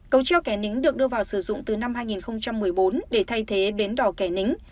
cầu treo kẻ nính được đưa vào sử dụng từ năm hai nghìn một mươi bốn để thay thế bến đỏ kẻ nính